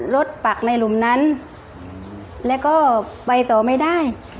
ปักในหลุมนั้นแล้วก็ไปต่อไม่ได้